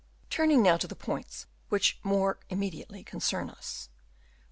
Turning now to the points which more immediately concern us.